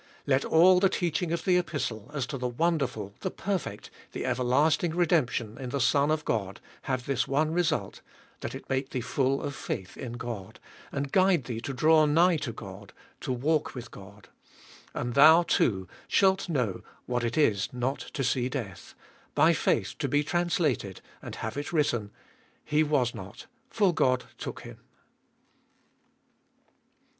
Let all the teaching of the Epistle, as to the wonderful, the perfect, the everlasting redemption in the Son of God, have this one result — that it make thee full of faith in God, and guide thee to draw nigh to God, to walk with God ; and thou, too, shalt know what it is not to see death ; by faith to be translated, and have it written — He was not, for God took him.